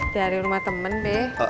dari rumah temen be